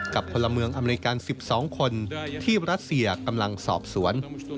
พลเมืองอเมริกัน๑๒คนที่รัสเซียกำลังสอบสวน